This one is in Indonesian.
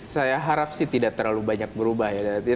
saya harap sih tidak terlalu banyak berubah ya